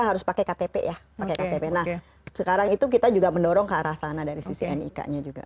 harus pakai ktp ya pakai ktp nah sekarang itu kita juga mendorong ke arah sana dari sisi nik nya juga